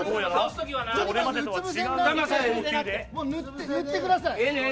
もう塗ってください。